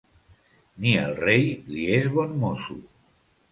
Ni el rei li és bon mosso.